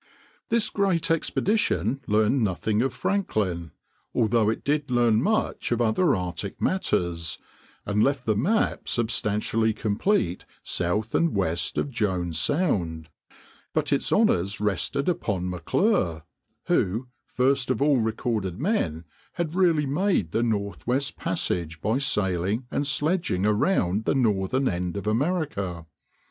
This great expedition learned nothing of Franklin, although it did learn much of other Arctic matters, and left the map substantially complete south and west of Jones Sound; but its honors rested upon M'Clure, who, first of all recorded men, had really made the Northwest Passage by sailing and sledging around the northern end of America.